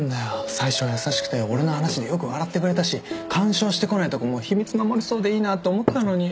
最初は優しくて俺の話でよく笑ってくれたし干渉してこないとこも秘密守れそうでいいなって思ったのに。